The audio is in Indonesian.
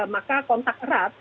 maka kontak erat